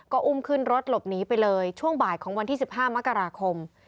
ก็อุ้มขึ้นรถหลบหนีไปเลยช่วงบ่ายของวันที่๑๕มกราคม